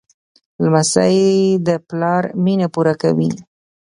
لمسی د پلار مینه پوره کوي.